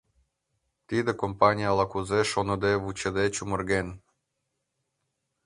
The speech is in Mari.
Тиде компаний ала-кузе шоныде-вучыде чумырген.